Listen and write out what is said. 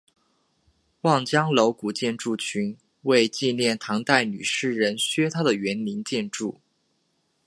望江楼古建筑群为纪念唐代女诗人薛涛的园林建筑。